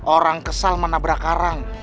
orang kesal menabrak karang